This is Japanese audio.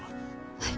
はい。